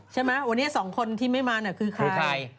ใช่ไหมวันนี้๒คนที่ไม่มาคือใคร